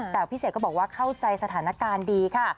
แต่พี่เสกก็บอกว่าเข้าใจสถานการณ์ดีค่ะ